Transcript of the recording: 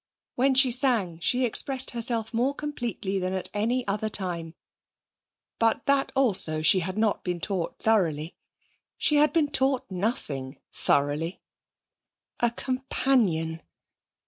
When she sang she expressed herself more completely than at any other time, but that also she had not been taught thoroughly; she had been taught nothing thoroughly. A companion!